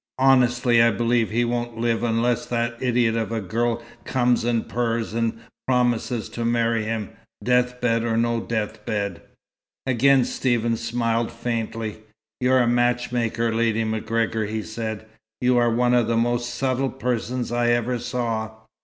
"Honestly I believe he won't live unless that idiot of a girl comes and purrs and promises to marry him, deathbed or no deathbed." Again Stephen smiled faintly. "You're a matchmaker, Lady MacGregor," he said. "You are one of the most subtle persons I ever saw."